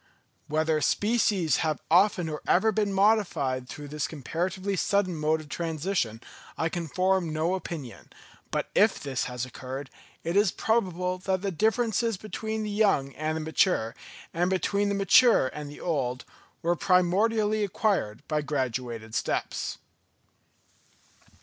Whether species have often or ever been modified through this comparatively sudden mode of transition, I can form no opinion; but if this has occurred, it is probable that the differences between the young and the mature, and between the mature and the old, were primordially acquired by graduated steps.